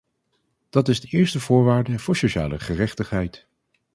Dat is de eerste voorwaarde voor sociale gerechtigheid!